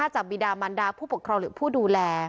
จากบีดามันดาผู้ปกครองหรือผู้ดูแล